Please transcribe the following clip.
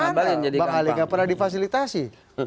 gimana bang ali nggak pernah difasilitasi